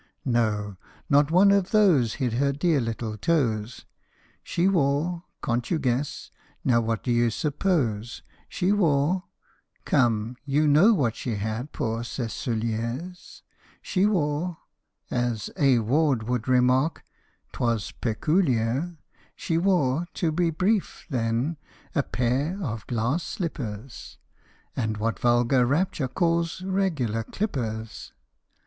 No ! not one of those hid her dear little toes. She wore can't you guess ? now what do you suppose ? She wore come, you know what she had pour ses scullers ? She wore as A. Ward would remark, 't was " pekoolier " She wore, to be brief, then, a pair of glass slippers, And what vulgar rapture calls " regular clippers